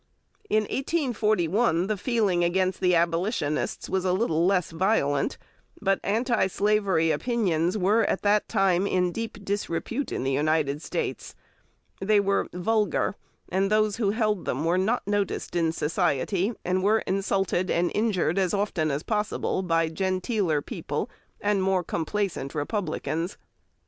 In 1841 the feeling against the Abolitionists was a little less violent; but "anti slavery opinions were at that time in deep disrepute in the United States; they were 'vulgar,' and those who held them were not noticed in society, and were insulted and injured as often as possible by genteeler people and more complaisant republicans."